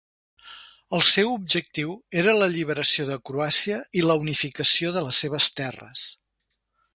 El seu objectiu era l'alliberació de Croàcia i la unificació de les seves terres.